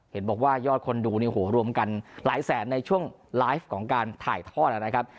เห็นบอกว่ายอดคนดูเนี่ยโหรวมกันหลายแสนในช่วงไลฟ์ของการถ่ายทอดนะครับ